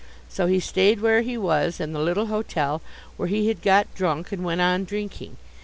So he stayed where he was in the little hotel where he had got drunk, and went on drinking.